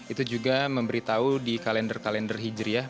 itu juga memberi tahu di kalender kalender hijriah